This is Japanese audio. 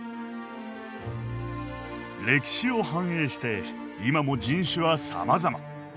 歴史を反映して今も人種はさまざま。